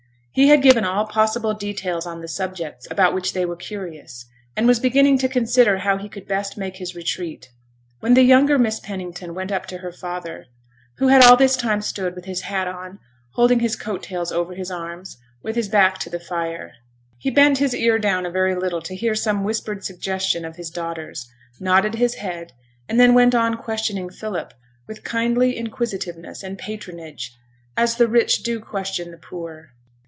He had given all possible details on the subjects about which they were curious; and was beginning to consider how he could best make his retreat, when the younger Miss Pennington went up to her father who had all this time stood, with his hat on, holding his coat tails over his arms, with his back to the fire. He bent his ear down a very little to hear some whispered suggestion of his daughter's, nodded his head, and then went on questioning Philip, with kindly inquisitiveness and patronage, as the rich do question the poor.